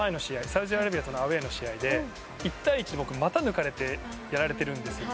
サウジアラビアとのアウェーの試合で１対１で僕、股を抜かれてやられてるんですよ。